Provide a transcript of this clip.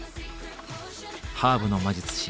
ハーブの魔術師